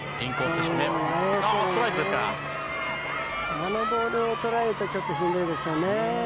あのボールをとられるとちょっとしんどいですよね。